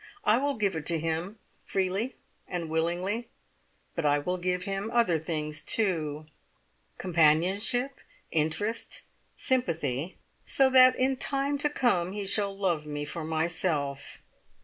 I will give it to him, freely and willingly, but I will give him other things too companionship, interest, sympathy, so that in time to come he shall love me for myself!